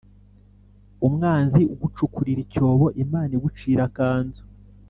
Umwanzi ugucukurira icyobo imana igucira akanzu